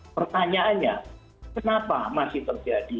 pertanyaannya kenapa masih terjadi